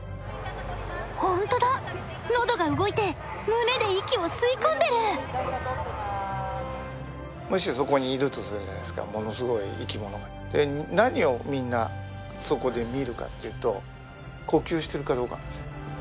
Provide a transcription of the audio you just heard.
ホントだ喉が動いて胸で息を吸い込んでるもしそこにいるとするじゃないですかものすごい生きものが何をみんなそこで見るかっていうと呼吸してるかどうかなんですよ